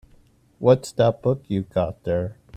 What's that book you've got there?